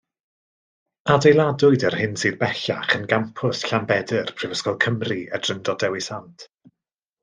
Adeiladwyd yr hyn sydd bellach yn gampws Llanbedr Prifysgol Cymru, y Drindod Dewi Sant.